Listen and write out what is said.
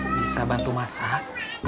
bisa bantu masak